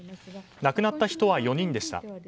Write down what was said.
亡くなった人は４人でした。